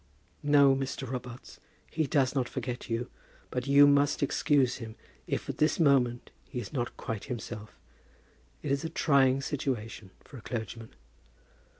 "No, Mr. Robarts, he does not forget you. But you must excuse him if at this moment he is not quite himself. It is a trying situation for a clergyman."